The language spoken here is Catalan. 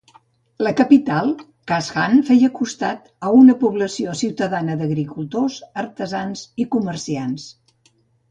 La capital, Qashan feia costat a una població ciutadana d'agricultors, artesans i comerciants.